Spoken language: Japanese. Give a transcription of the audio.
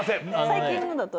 最近のだと？